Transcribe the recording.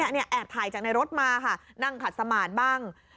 นี่แอบถ่ายจากในรถมาค่ะนั่งขัดสมาธิบ้าง